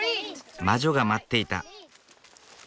魔女が待っていた。